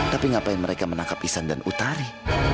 tapi ngapain mereka menangkap isan dan utari